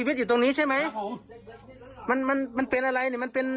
พี่ต้นพี่ดื่มมาไหม